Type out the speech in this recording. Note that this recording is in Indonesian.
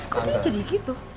kok dia jadi gitu